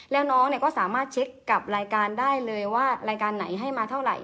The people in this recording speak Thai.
แล้วน้องก็สามารถเช็คกับรายการได้เลยว่ารายการไหนให้มาเท่าไหร่